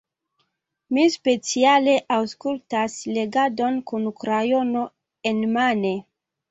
Mi speciale aŭskultas legadon kun krajono enmane.